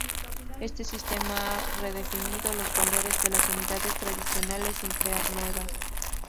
Este sistema ha redefinido los valores de las unidades tradicionales sin crear nuevas.